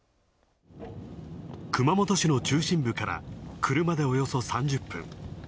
熊本市から車でおよそ３０分。